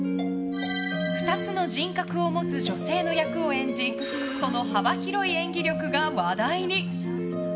２つの人格を持つ女性の役を演じその幅広い演技力が話題に。